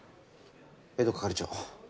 江戸係長。